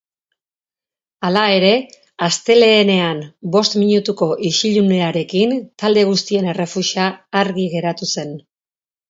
Hala ere, astelehenean bost minutuko isilunearekin talde guztien errefusa argi geratu zen.